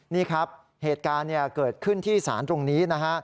นี่ครับเหตุการณ์เกิดขึ้นที่ศาลตรงนี้นะฮะ